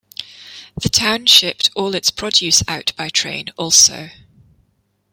The town shipped all its produce out by train also.